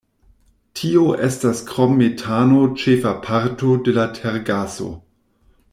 Tio estas krom metano ĉefa parto de la tergaso.